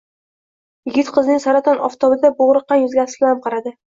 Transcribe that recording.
Yigit qizning saraton oftobida boʼgʼriqqan yuziga afsuslanib qaradi.